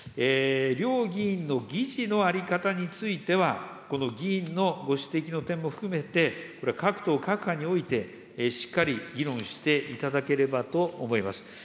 両議院の議事の在り方については、この議員のご指摘の点も含めて、これは各党、各派において、しっかり議論していただければと思います。